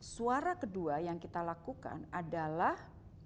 suara kedua yang kita lakukan adalah